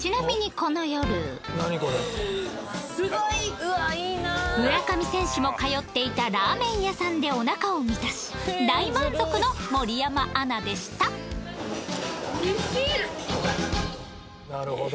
森山：すごい！村上選手も通っていたラーメン屋さんでおなかを満たし大満足の森山アナでしたなるほど。